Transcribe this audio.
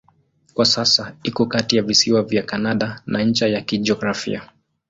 Kwa sasa iko kati ya visiwa vya Kanada na ncha ya kijiografia.